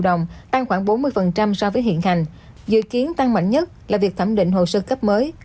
đồng tăng khoảng bốn mươi so với hiện hành dự kiến tăng mạnh nhất là việc thẩm định hồ sơ cấp mới